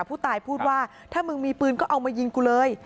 ผู้ตายพูดว่าถ้ามึงมีปืนก็เอามายิงกูเลย